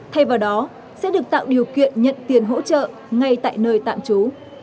thay vào đó sẽ được tạo điều kiện nhận tiền hỗ trợ ngay tại nơi tạm trú